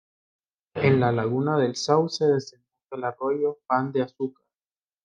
En la laguna del Sauce desemboca el arroyo Pan de Azúcar.